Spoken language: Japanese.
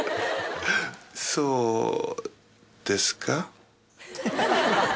そうですか？